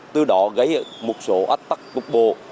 từ đó gây một số ách tắc cục bộ